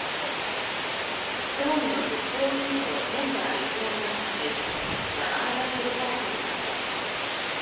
葬儀の実行委員会のメンバー一覧の中に名前が記されていました。